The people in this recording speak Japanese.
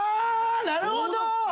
なるほど！